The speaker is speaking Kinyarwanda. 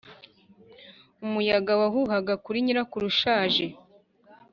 umuyaga wahuhaga kuri nyirakuru ushaje